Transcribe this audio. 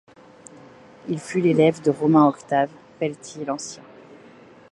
Il fut l'élève de Romain-Octave Pelletier l'Ancien.